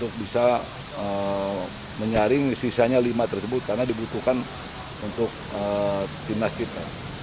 karena dibutuhkan untuk tim nasional